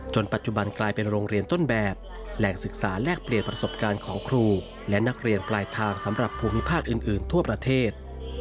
ปัจจุบันกลายเป็นโรงเรียนต้นแบบแหล่งศึกษาแลกเปลี่ยนประสบการณ์ของครูและนักเรียนปลายทางสำหรับภูมิภาคอื่นทั่วประเทศ